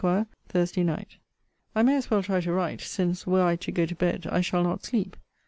THURSDAY NIGHT. I may as well try to write; since, were I to go to bed, I shall not sleep.